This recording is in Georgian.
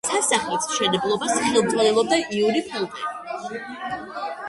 სასახლის მშენებლობას ხელმძღვანელობდა იური ფელტენი.